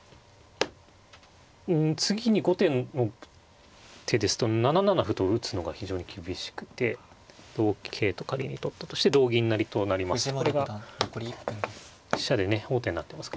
次に後手の手ですと７七歩と打つのが非常に厳しくて同桂と仮に取ったとして同銀成と成りますとこれが飛車でね王手になってますからね。